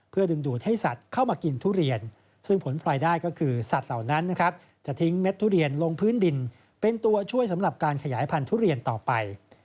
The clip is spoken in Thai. เพื่อดึงดูดให้สัตว์เข้ามากินทุเรียนซึ่งผลพลอยได้ก็คือสัตว์เหล่านั้นนะครับจะทิ้งเม็ดทุเรียนลงพื้นดินเป็นตัวช่วยสำหรับการขยายพันธุเรียนต่อไป